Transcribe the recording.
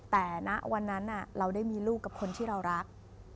แต่ณวันนั้นเราได้มีลูกกับคนที่เรารัก